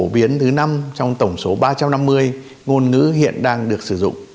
những tiếng việt phổ biến thứ năm trong tổng số ba trăm năm mươi ngôn ngữ hiện đang được sử dụng